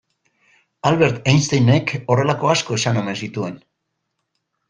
Albert Einsteinek horrelako asko esan omen zituen.